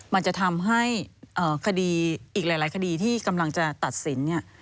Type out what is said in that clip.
มันจะทำให้อีกหลายคดีที่กำลังจะตัดสิน